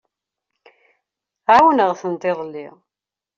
Ɛawneɣ-ten iḍelli.